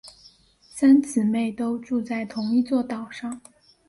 三姊妹都住在同一座岛上。